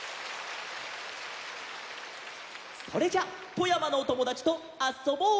それじゃ富山のおともだちとあそぼう！